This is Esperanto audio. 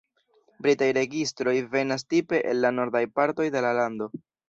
Britaj registroj venas tipe el la nordaj partoj de la lando.